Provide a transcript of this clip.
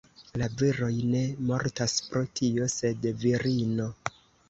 La viroj ne mortas pro tio, sed virino!